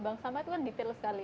bank sampah itu kan detail sekali